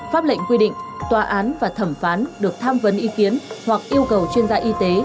pháp lệnh quy định tòa án và thẩm phán được tham vấn ý kiến hoặc yêu cầu chuyên gia y tế